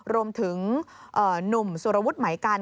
รวมถึงหนุ่มสุรวุฒิไหมกัน